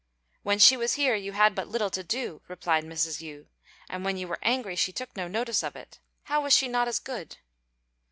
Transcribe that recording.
"When she was here you had but little to do," replied Mrs. Yü; "and when you were angry she took no notice of it. How was she not as good?"